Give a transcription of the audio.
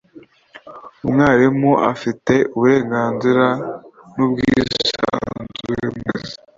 umwarimu afite uburenganzira n’ubwisanzure mu kazi